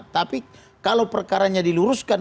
tapi kalau perkaranya diluruskan